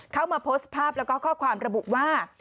เข้ามาโพสต์ภาพแล้วก็ข้อความระบุว่า